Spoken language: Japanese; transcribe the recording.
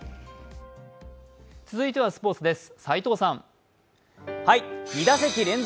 続いてはスポーツです。